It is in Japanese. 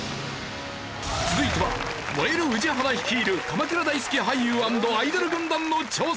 続いては燃える宇治原率いる鎌倉大好き俳優＆アイドル軍団の挑戦。